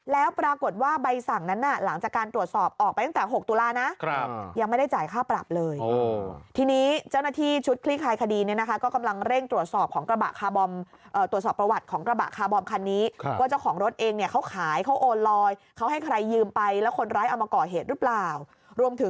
แล้วปรากฏว่าใบสั่งนั้นหลังจากการตรวจสอบออกไปต